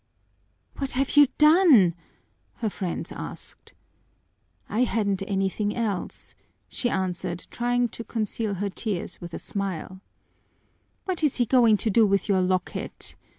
"What have you done?" her friends asked. "I hadn't anything else," she answered, trying to conceal her tears with a smile. "What is he going to do with your locket?"